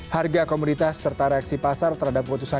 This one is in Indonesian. harga komunitas serta reaksi pasar terhadap keputusan